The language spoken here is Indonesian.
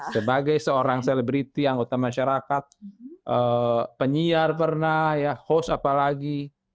sebagai seorang selebriti anggota masyarakat penyiar pernah host apalagi